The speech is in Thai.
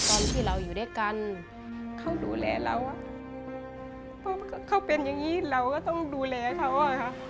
ตอนที่เราอยู่ด้วยกันเขาดูแลเราเพราะเขาเป็นอย่างนี้เราก็ต้องดูแลเขาอะค่ะ